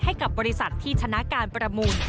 ให้กับบริษัทที่ชนะการประมูล